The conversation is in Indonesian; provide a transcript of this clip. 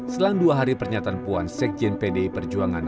selang dua hari pernyataan puan sekjen pdi perjuangan